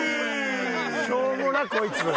しょうもなこいつ。